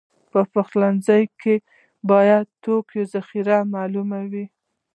په پلورنځي کې باید د توکو ذخیره معلومه وي.